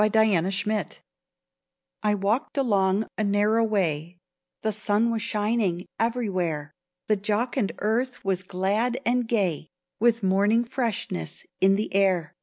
THE CLOSED GATE 1 WALKED along a narrow way ; The sun was shining everywhere ; The jocund earth was glad and gay, With morning freshness in the air.